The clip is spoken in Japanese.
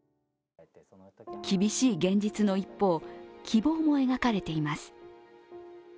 厳しい現実の一方希望も描かれています。